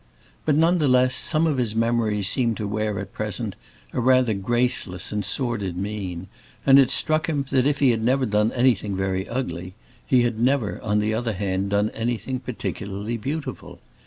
But none the less some of his memories seemed to wear at present a rather graceless and sordid mien, and it struck him that if he had never done anything very ugly, he had never, on the other hand, done anything particularly beautiful.